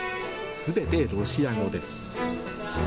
全てロシア語です。